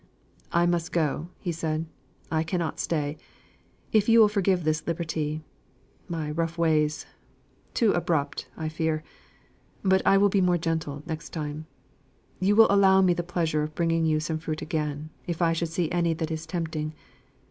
"I must go," said he, "I cannot stay. If you will forgive this liberty, my rough ways, too abrupt, I fear but I will be more gentle next time. You will allow me the pleasure of bringing you some fruit again, if I should see any that is tempting.